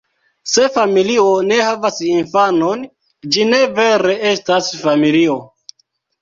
Se familio ne havas infanon, ĝi ne vere estas familio.